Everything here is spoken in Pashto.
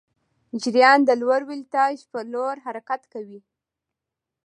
جریان د لوړ ولتاژ پر لور حرکت کوي.